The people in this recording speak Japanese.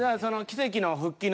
奇跡の復活。